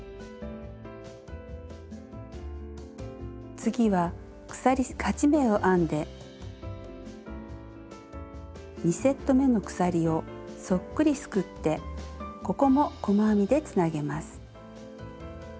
次は鎖８目を編んで２セットめの鎖をそっくりすくってここも細編みでつなげます。